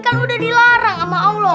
kan udah dilarang sama allah